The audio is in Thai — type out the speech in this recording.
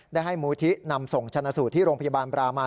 ได้ให้มูลที่นำส่งชนะสูตรที่โรงพยาบาลบรามาน